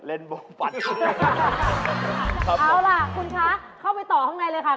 เอาล่ะคุณคะเข้าไปต่อข้างในเลยค่ะ